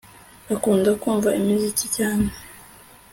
akunda kumva imiziki cyane